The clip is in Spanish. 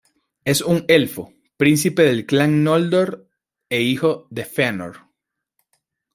Es un elfo, príncipe del clan Noldor e hijo de Fëanor.